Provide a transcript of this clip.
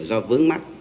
do vướng mắt